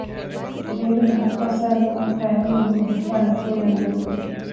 ބޭބެ މަގު ކައްސައިލުމުން ކައިރީ އުޅުން ހުރިހާ އެކުވެރިން ދުރުވި